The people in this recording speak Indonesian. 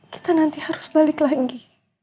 kita nanti harus balik lagi